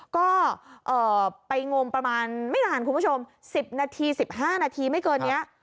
ก็ไปงมประมาณไม่นานคุณผู้ชม๑๐นาที๑๕นาทีไม่เกินนี้